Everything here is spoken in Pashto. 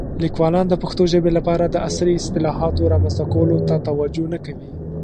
لیکوالان د پښتو ژبې لپاره د عصري اصطلاحاتو رامنځته کولو ته توجه نه کوي.